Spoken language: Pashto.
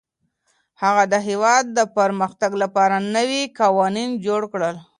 هغه د هېواد د پرمختګ لپاره نوي قوانین جوړ کړل.